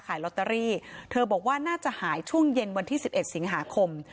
ขายลอตเตอรี่เธอบอกว่าน่าจะหายช่วงเย็นวันที่๑๑สิงหาคม